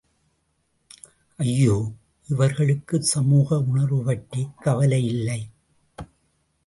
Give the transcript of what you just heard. ஐயோ, இவர்களுக்குச் சமூக உணர்வு பற்றிக் கவலை இல்லை.